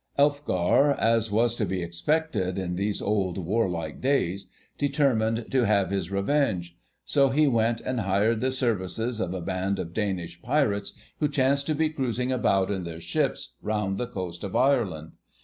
Elfgar, as was to be expected in these old warlike days, determined to have his revenge, so he went and hired the services of a band of Danish pirates who chanced to be cruising about in their ships round the coast of Ireland.